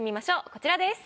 こちらです。